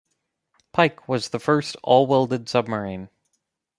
Pike was the first all-welded submarine.